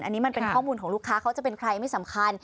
อันนี้มันเป็นข้อมูลของลูกค้าเขาจะเป็นใครไม่สำคัญ